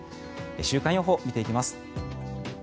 週間予報を見ていきます。